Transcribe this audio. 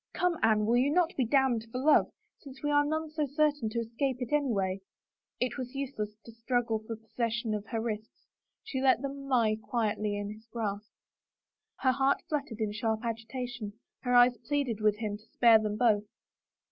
" Come, Anne, will you not be damned for love, since we are none so certain to escape it any way?" It was useless to struggle for possession of her wrists ; she let them He quietly in his grasp. Her heart fluttered in sharp agitation, her eyes pleaded with him to spare them both.